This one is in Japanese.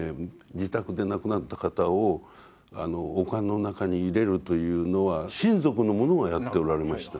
自宅で亡くなった方をお棺の中に入れるというのは親族の者がやっておられました。